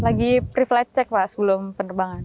lagi pre flight check mas sebelum penerbangan